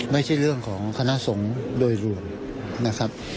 ไม่ใช่เรื่องของคณะสงฆ์โดยรวมนะครับ